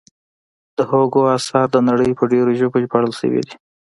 د هوګو اثار د نړۍ په ډېرو ژبو ژباړل شوي دي.